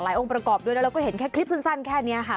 องค์ประกอบด้วยแล้วเราก็เห็นแค่คลิปสั้นแค่นี้ค่ะ